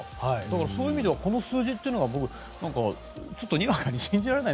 そういう意味では、この数字は僕はにわかに信じられない。